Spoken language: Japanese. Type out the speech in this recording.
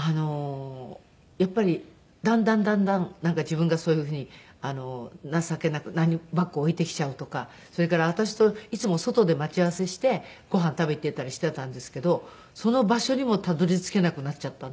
やっぱりだんだんだんだんなんか自分がそういうふうに情けなくバッグ置いてきちゃうとかそれから私といつも外で待ち合わせしてご飯食べに行っていたりしていたんですけどその場所にもたどり着けなくなっちゃったんですね。